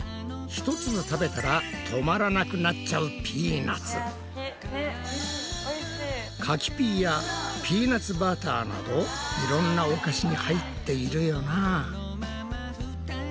一粒食べたら止まらなくなっちゃう柿ピーやピーナツバターなどいろんなお菓子に入っているよな！